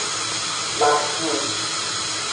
محدود